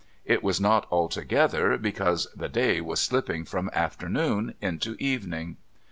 It was not altogether because the day was slipping from afternoon into evening.